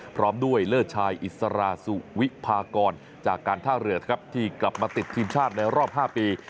พร้อมด้วยเลิศชายอิสราสุวิพากรจากการท่าเรือครับที่กลับมาติดทีมชาติในรอบ๕ปี